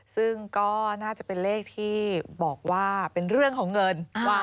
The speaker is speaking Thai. ซึ่งก็น่าจะเป็นเลขที่บอกว่าเป็นเรื่องของเงิน